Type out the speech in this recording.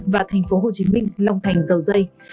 và thành phố hồ chí minh long thành dầu dây